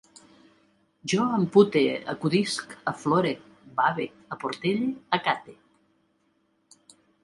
Jo ampute, acudisc, aflore, bave, aportelle, acate